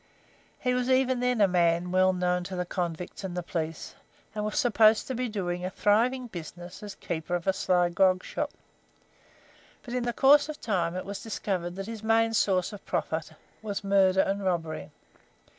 He was even then a man well known to the convicts and the police, and was supposed to be doing a thriving business as keeper of a sly grog shop, but in course of time it was discovered that his main source of profit was murder and robbery.